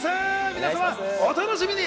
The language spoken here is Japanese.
皆様、お楽しみに。